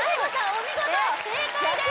お見事正解です